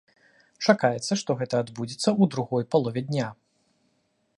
Чакаецца, што гэта адбудзецца ў другой палове дня.